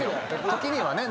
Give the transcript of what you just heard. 時にはね。